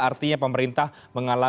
artinya pemerintah mengalami